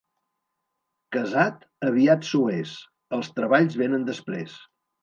Casat, aviat s'ho és; els treballs vénen després.